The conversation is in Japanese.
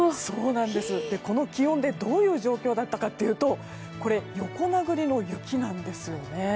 この気温でどうだったかというと横殴りの雪なんですよね。